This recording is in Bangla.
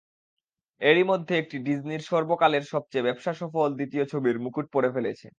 এরই মধ্যে এটি ডিজনির সর্বকালের সবচেয়ে ব্যবসাসফল দ্বিতীয় ছবির মুকুট পরে ফেলেছে।